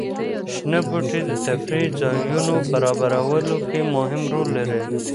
شنه بوټي د تفریح ځایونو برابرولو کې مهم رول لري.